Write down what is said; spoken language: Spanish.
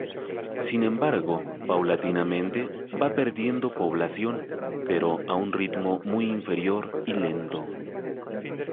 Sin embargo, paulatinamente va perdiendo población, pero a un ritmo muy inferior y lento.